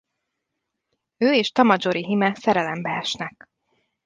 Ő és Tamajori-hime szerelembe esnek.